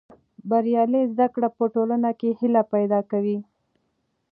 بریالۍ زده کړه په ټولنه کې هیله پیدا کوي.